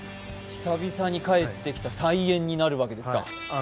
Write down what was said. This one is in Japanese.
久々に帰ってきた再演になるわけですか。